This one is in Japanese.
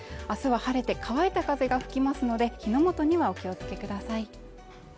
明日は晴れて乾いた風が吹きますので火の元にはお気をつけください